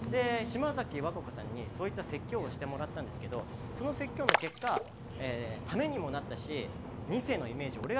島崎和歌子さんにそういった説教をしてもらったんですけどその説教の結果ためにもなったし二世のイメージ